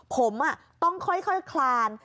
ผมต้องค่อยคลาน